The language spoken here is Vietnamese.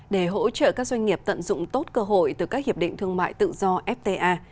để hỗ trợ các doanh nghiệp tận dụng tốt cơ hội từ các hiệp định thương mại tự do fta